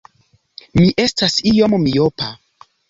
Mi estas iom miopa.